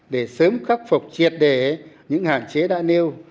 để sớm khắc phục triệt đề những hạn chế đã nêu